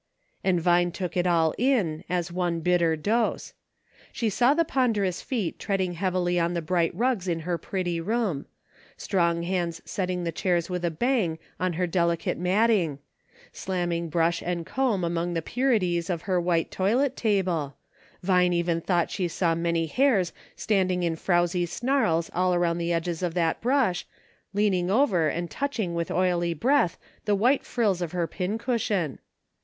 And Vine took it all in, as one bitter dose. She saw the ponderous feet treading heavily on the bright rugs in her pretty room ; strong hands set ting the chairs with a bang on her delicate matting ; slamming brush and comb among the purities of her white toilet table ; Vine even thought she saw many hairs standing in frowzly snarls all around the edges of that brush, leaning over and touching with oily breath the white frills of her pin cushion.